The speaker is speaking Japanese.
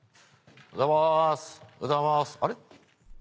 おはようございます。